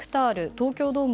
東京ドーム